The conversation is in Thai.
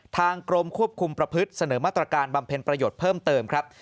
ทางกรมควบคุมประพฤติเสนอมาตรการบำเพ็ญประโยชน์เพิ่มเติมครับ